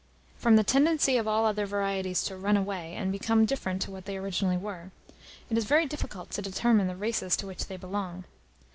From the tendency of all other varieties "to run away" and become different to what they originally were, it is very difficult to determine the races to which they belong.